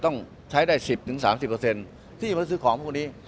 ต้องใช้ได้สิบถึงสามสิบเปอร์เซ็นต์ที่มันซื้อของพวกนี้